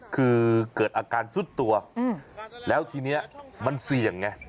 คือเกิดอาการซุดตัวแล้วทีนี้มันเสี่ยงไง